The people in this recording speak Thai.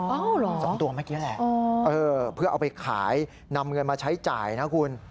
อ๋อเหรอสองตัวเมื่อกี้แหละเออเพื่อเอาไปขายนำเงินมาใช้จ่ายนะคุณ